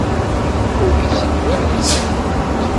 Ur yetteddu ara yid-kent?